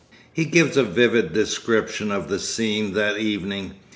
He gives a vivid description of the scene that evening.